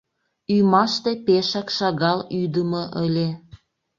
Ӱмаште пешак шагал ӱдымӧ ыле.